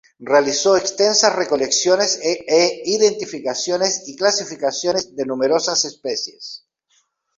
Realizó extensas recolecciones e identificaciones y clasificaciones de numerosas especies.